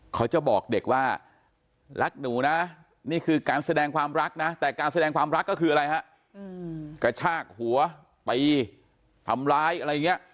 เขาจะบอกเด็กว่ารักหนูนะนี่คือการแสดงความรักนะแต่การแสดงความรักก็คืออะไรฮะกระชากหัวไปทำร้ายอะไรอย่างนี้